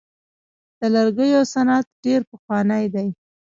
د لرګیو صنعت ډیر پخوانی دی.